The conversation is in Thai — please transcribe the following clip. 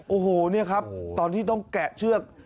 โอ้โหนี่ครับตอนที่ต้องแกะเชือก